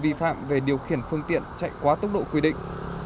vi phạm về điều khiển phương tiện chạy quá tốc độ quy định